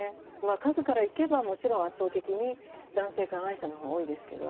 数からいけばもちろん圧倒的に男性加害者のほうが多いですけど。